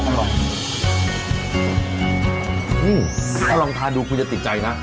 อื้มถ้าลองทานดูคงจะติดใจนะ